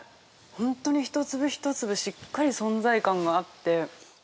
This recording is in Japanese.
本当に一粒一粒しっかり存在感があって。